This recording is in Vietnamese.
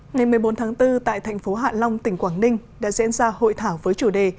ngày một mươi bốn tháng bốn tại thành phố hạ long tỉnh quảng ninh đã diễn ra hội thảo với chủ đề